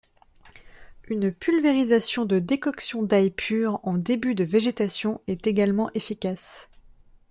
Une pulvérisation de décoction d'ail pure en début de végétation est également efficace.